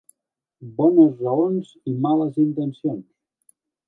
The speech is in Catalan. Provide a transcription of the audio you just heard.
Bones raons i males intencions.